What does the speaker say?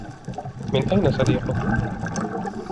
من أين صديقك؟